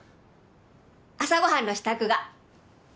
朝ご飯の支度が。